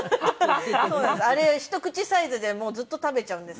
あれひと口サイズでずっと食べちゃうんです。